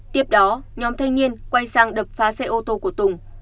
tiếp đó nhóm thanh niên quay sang đập phá xe ô tô của tùng